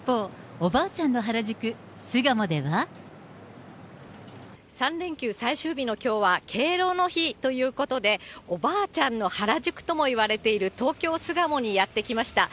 おばあちゃんの原宿、３連休最終日のきょうは、敬老の日ということで、おばあちゃんの原宿ともいわれている東京・巣鴨にやって来ました。